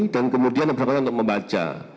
dan kemudian yang berapa untuk membaca